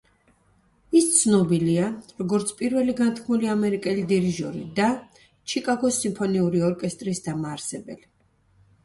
ის ცნობილია, როგორც პირველი განთქმული ამერიკელი დირიჟორი და ჩიკაგოს სიმფონიური ორკესტრის დამაარსებელი.